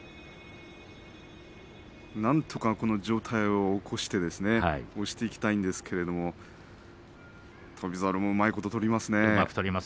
なんとかこの上体を起こしてですね、押していきたいんですけれども翔猿も、うまいこと取りますね。